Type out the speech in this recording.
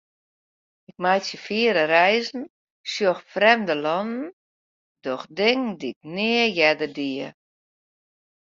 Ik meitsje fiere reizen, sjoch frjemde lannen, doch dingen dy'k nea earder die.